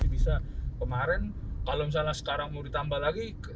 bisa kemarin kalau misalnya sekarang mau ditambah lagi